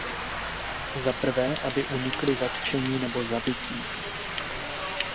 Zaprvé, aby unikli zatčení nebo zabití.